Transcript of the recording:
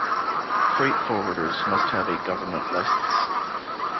Freight forwarders must have a government license.